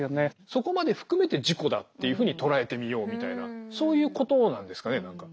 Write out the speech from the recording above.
そこまで含めて自己だっていうふうに捉えてみようみたいなそういうことなんですかね何か。